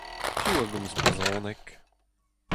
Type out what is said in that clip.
Piv a gomz brezhoneg ?